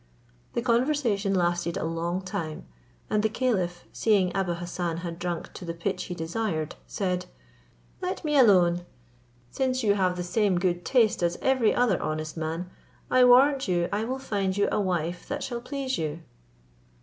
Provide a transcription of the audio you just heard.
The conversation lasted a long time, and the caliph seeing Abou Hassan had drunk to the pitch he desired, said, "Let me alone, since you have the same good taste as every other honest man, I warrant you I will find you a wife that shall please you."